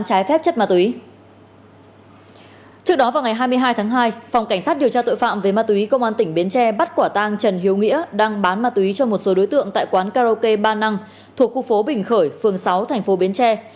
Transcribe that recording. trước đó vào ngày hai mươi hai tháng hai phòng cảnh sát điều tra tội phạm về ma túy công an tỉnh bến tre bắt quả tang trần hiếu nghĩa đang bán ma túy cho một số đối tượng tại quán karaoke ba năng thuộc khu phố bình khởi phường sáu thành phố bến tre